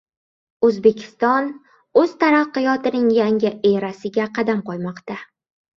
«O‘zbekiston o‘z taraqqiyotining yangi erasiga qadam qo‘ymoqda»